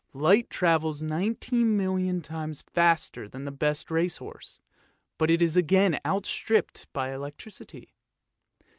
Light travels nineteen million times faster than the best racehorse, but it is again outstripped by electricity.